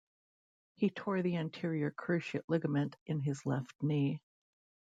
He tore the anterior cruciate ligament in his left knee.